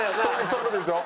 そういう事ですよ。